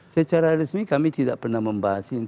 secara resmi kami tidak pernah membahas ini